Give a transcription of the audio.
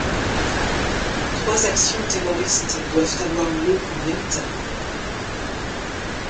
Trois actions terroristes doivent avoir lieu en même temps.